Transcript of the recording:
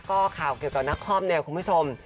ก็ข่าวเกี่ยวกับนักคอมเนี่ยคุณผู้ชม